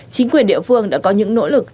chính quyền địa phương đã có những nỗ lực